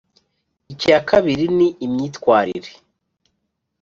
Icya kabiri ni imyitwarire